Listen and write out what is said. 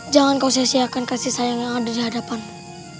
jangan kau siakan kasih sayang yang ada di hadapanmu